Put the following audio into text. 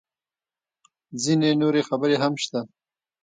_ځينې نورې خبرې هم شته.